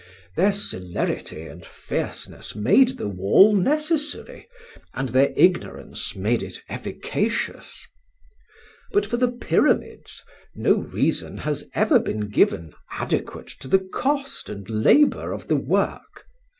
Their celerity and fierceness made the wall necessary, and their ignorance made it efficacious. "But for the Pyramids, no reason has ever been given adequate to the cost and labour of the work.